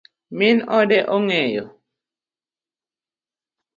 Min ode ong'eyo?